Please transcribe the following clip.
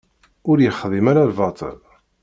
Ur yexdim ara lbaṭel.